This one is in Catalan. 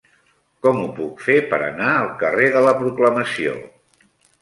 Com ho puc fer per anar al carrer de la Proclamació?